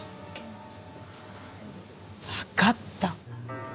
わかった。